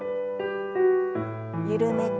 緩めて。